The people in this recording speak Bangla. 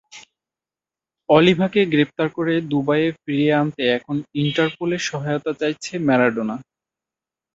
অলিভাকে গ্রেপ্তার করে দুবাইয়ে ফিরিয়ে আনতে এখন ইন্টারপোলের সহায়তা চাইছেন ম্যারাডোনা।